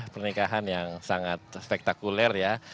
pernikahan yang sangat spektakuler ya